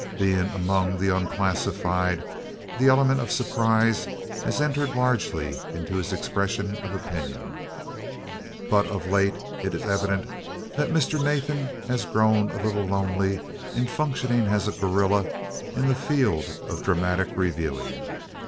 Being among the unclassified, the element of surprise has entered largely into his expression of opinion. But of late it is evident that Mr. Nathan has grown a little lonely in functioning as a guerilla in the field of dramatic reviewing.